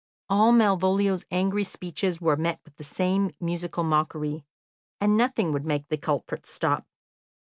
All Malvolio's angry speeches were met with the same musical mockery, and nothing would make the culprits stop.